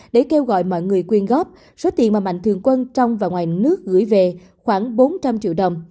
để kêu gọi mọi người quyên góp số tiền mà mạnh thường quân trong và ngoài nước gửi về khoảng bốn trăm linh triệu đồng